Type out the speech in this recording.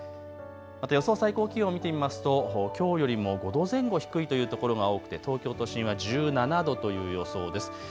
また予想最高気温見てみますときょうよりも５度前後低いという所が多くて東京都心は１７度という予想です。